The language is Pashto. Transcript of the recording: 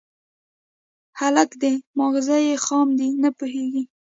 _هلک دی، ماغزه يې خام دي، نه پوهېږي.